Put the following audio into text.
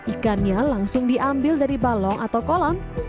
ikannya langsung diambil dari balong atau kolam